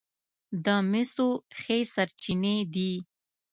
د مسو ښې سرچینې دي.